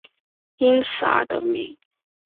因此而得名。